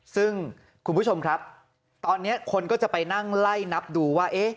ซึ่งคุณผู้ชมครับตอนนี้คนก็จะไปนั่งไล่นับดูว่า